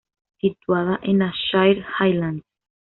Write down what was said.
Situada en las Shire Highlands.